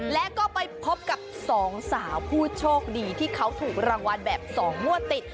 แล้วก็ไปพบกับสองสาวผู้โชคดีที่เขาถูกรางวัลแบบ๒งวดติด